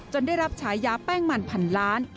ได้รับฉายาแป้งมันพันล้าน